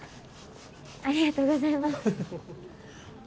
ありがとうございます。